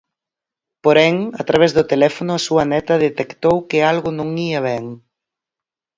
Porén, a través do teléfono a súa neta detectou que algo non ía ben.